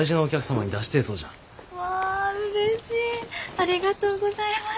ありがとうございます。